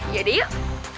ya deh yuk